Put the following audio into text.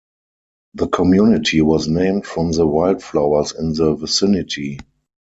The community was named from the wildflowers in the vicinity.